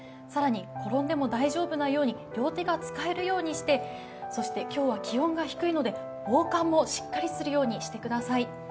更に転んでも大丈夫なように両手が使えるようにして、そして今日は気温が低いので防寒もしっかりするようにしてください。